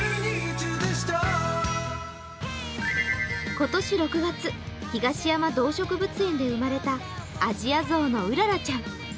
今年６月、東山動植物園で生まれたアジアゾウのうららちゃん。